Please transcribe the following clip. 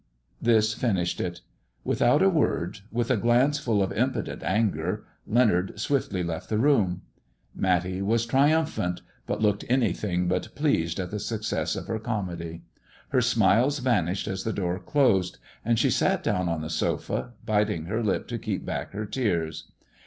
This finished it. Without a word, with a glance full of impotent anger, Leonard swiftly left the room. Matty was triumphant, but looked anything but pleased at the success of her comedy. Her smiles vanished as the door closed, and she sat down on the sofa, biting her lip to keep back her tears.